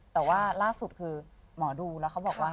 แต่ว่าล่าสุดคือหมอดูแล้วเขาบอกว่า